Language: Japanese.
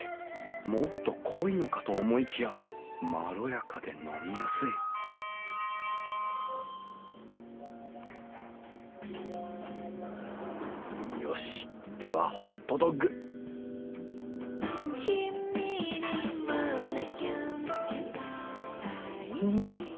もっと濃いのかと思いきやまろやかで飲みやすいよしではホットドッグわっ！